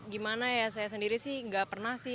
gimana ya saya sendiri sih nggak pernah sih